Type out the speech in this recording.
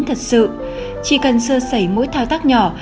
thật sự chỉ cần sơ sẩy mỗi thao tác nhỏ